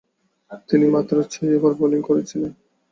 তিনি মাত্র ছয় ওভার বোলিং করেছিলেন।